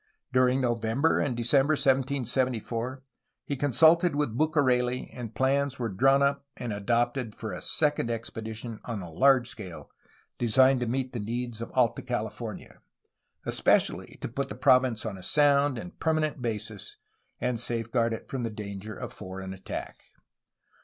During November and December 1774 he 304 A HISTORY OF CALIFORNIA consulted with Bucareli, and plans were drawn up and adopted for a second expedition on a large scale, designed to meet the needs of Alta California, especially to put the province on a sound and permanent basis and to safeguard it from the danger of foreign attack.